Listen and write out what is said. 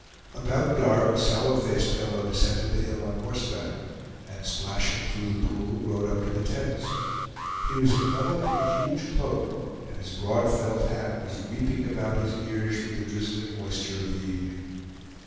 About dark a sallow faced fellow descended the hill on horseback, and splashing through the pool rode up to the tents. He was enveloped in a huge cloak, and his broad felt hat was weeping about his ears with the drizzling moisture of the evening.